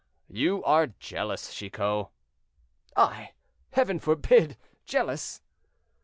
"You are jealous, Chicot." "I! Heaven forbid! Jealous!"